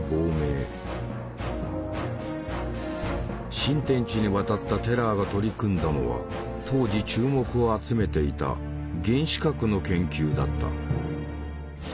新天地に渡ったテラーが取り組んだのは当時注目を集めていた「原子核」の研究だった。